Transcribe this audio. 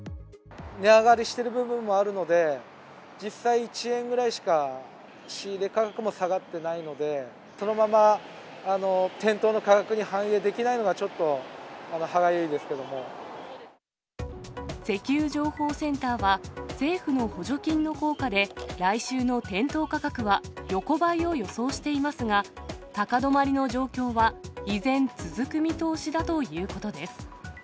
値上がりしている部分もあるので、実際、１円ぐらいしか仕入れ価格も下がってないので、そのまま店頭の価格に反映できないのがちょっと歯がゆいですけど石油情報センターは、政府の補助金の効果で、来週の店頭価格は横ばいを予想していますが、高止まりの状況は依然、続く見通しだということです。